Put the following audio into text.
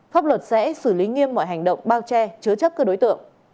pháp luật sẽ xử lý nghiêm mọi hành động bao che chứa chấp các đối tượng